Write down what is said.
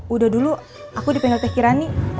udah dulu aku di penggel teh kirani